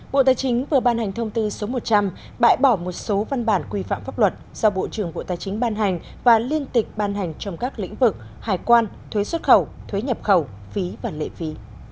bộ tài chính vừa ban hành thông tư số một trăm linh bãi bỏ một số văn bản quy phạm pháp luật do bộ trưởng bộ tài chính ban hành và liên tịch ban hành trong các lĩnh vực hải quan thuế xuất khẩu thuế nhập khẩu phí và lệ phí